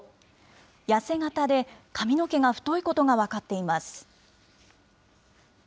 痩せ形で、髪の毛が太いことが分かっています。